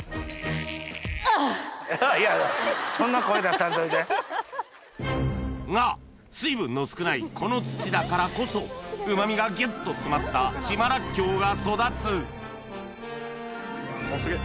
ハハハ！が水分の少ないこの土だからこそうまみがギュっと詰まった島らっきょうが育つすげぇ。